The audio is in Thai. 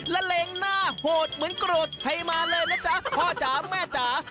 และเลงหน้าโหดเหมือนโกรธใครมาเลยนะจ๊ะพ่อจ๋าแม่จ๋า